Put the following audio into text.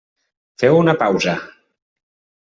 Féu una pausa.